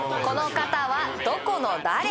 この方はどこの誰？